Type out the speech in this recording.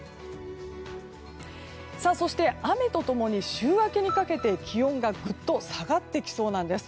そして、雨と共に週明けにかけて気温がぐっと下がってきそうなんです。